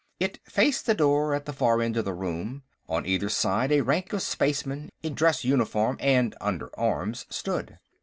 It faced the door, at the far end of the room; on either side, a rank of spacemen, in dress uniform and under arms, stood.